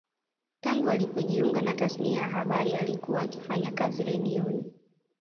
Tangu alipojiunga na tasnia ya habari alikuwa akifanya kazi redioni